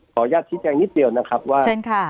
ขออนุญาตชิดแจงนิดเดียวนะครับว่า